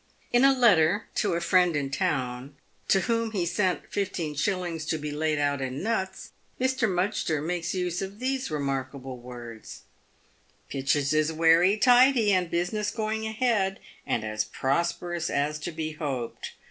In a letter to a friend in town, to whom he sent fifteen shillings to be laid out in nuts, Mr. M. makes use of these remarkable words :" Pitches is wery tidy, and business going ahead, and as prosperous as to be hoped.